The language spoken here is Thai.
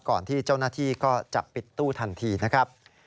ก่อนที่เจ้าหน้าที่ก็จะปิดตู้ทันทีนะครับ